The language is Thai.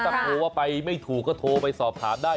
ถ้าโทรว่าไปไม่ถูกก็โทรไปสอบถามได้